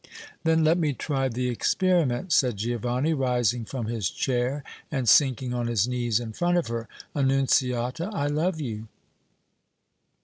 "Then let me try the experiment!" said Giovanni, rising from his chair and sinking on his knees in front of her. "Annunziata, I love you!"